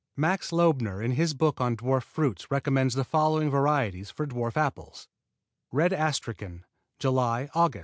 Max Loebener in his book on dwarf fruits recommends the following varieties for dwarf apples: Red Astrachan July, Aug.